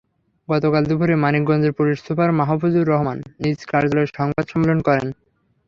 গতকাল দুপুরে মানিকগঞ্জের পুলিশ সুপার মাহফুজুর রহমান নিজ কার্যালয়ে সংবাদ সম্মেলন করেন।